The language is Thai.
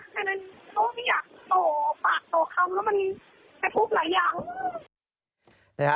ฉะนั้นเขาก็ไม่อยากต่อปากต่อคำแล้วมันกระทบหลายอย่าง